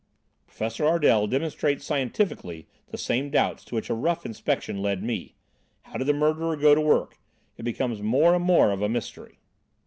"Professor Ardel demonstrates scientifically the same doubts to which a rough inspection led me. How did the murderer go to work? It becomes more and more of a mystery."